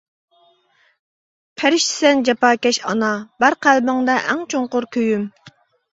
پەرىشتىسەن جاپاكەش ئانا، بار قەلبىڭدە ئەڭ چوڭقۇر كۈيۈم.